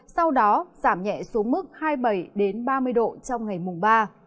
sau đó giảm nhẹ xuống mức hai mươi bảy ba mươi độ trong ngày mùng ba